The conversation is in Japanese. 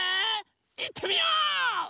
いってみよう！